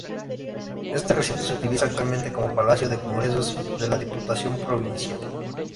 Este recinto se utiliza actualmente como palacio de congresos de la Diputación Provincial.